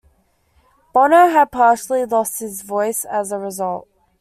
Bono had partially lost his voice as a result.